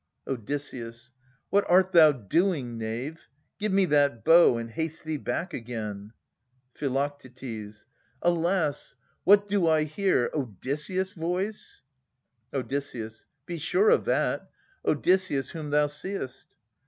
Odysseus. What art thou doing, knave ? Give me that bow, and haste thee back again. Phi. Alas! What do I hear? Odysseus' voice? Od. Be sure of that. Odysseus, whom thou seest.